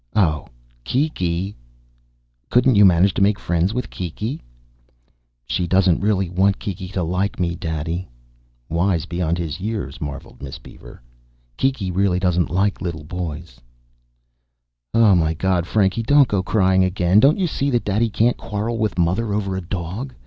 "Oh! Kiki!" "Couldn't you manage to make friends with Kiki?" "She doesn't really want Kiki to like me, Daddy." (Wise beyond his years, marvelled Miss Beaver.) "Kiki doesn't really like little boys." "Oh, my God, Frankie, don't go to crying again! Don't you see that Daddy can't quarrel with Mother over a dog?